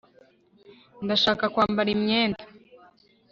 Ndashaka kwambara imyenda